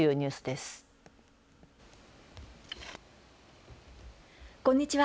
こんにちは。